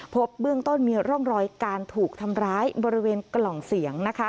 พบเบื้องต้นมีร่องรอยการถูกทำร้ายบริเวณกล่องเสียง